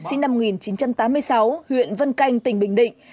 sinh năm một nghìn chín trăm tám mươi sáu huyện vân canh tỉnh bình định